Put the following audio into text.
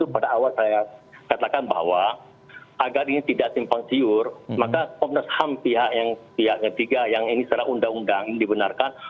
pada awal saya katakan bahwa agar ini tidak simpang siur maka komnas ham pihak ketiga yang ini secara undang undang ini dibenarkan